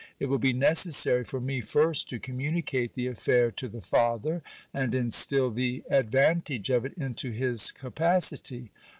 It will be necessary for me ; fi st to communicate the affair to the father, and instil the advantage of it into his capacity.